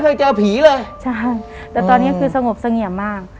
แต่ตอนนี้ยังคือสงบเยี่ยมมาก